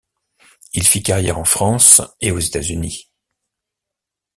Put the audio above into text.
Il fit carrière en France et aux États-Unis.